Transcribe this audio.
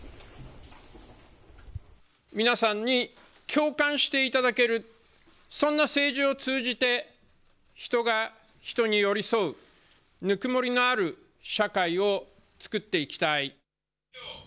皆さんに共感していただける、そんな政治を通じて、人が人に寄り添う、ぬくもりのある社会を作っていきたい。